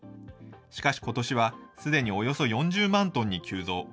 しかしことしはすでにおよそ４０万トンに急増。